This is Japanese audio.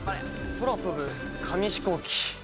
『空飛ぶ紙飛行機』。